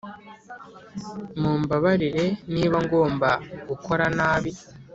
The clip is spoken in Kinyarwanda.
mumbabarire niba ngomba gukora nabi.